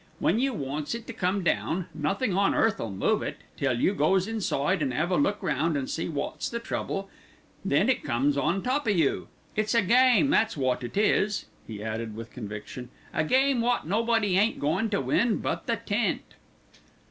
When you wants it to come down, nothing on earth'll move it, till you goes inside to 'ave a look round an' see wot's the trouble, then down it comes on top o' you. It's a game, that's wot it is," he added with conviction, "a game wot nobody ain't goin' to win but the tent."